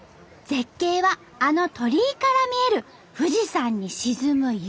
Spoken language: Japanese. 絶景はあの鳥居から見える富士山に沈む夕日。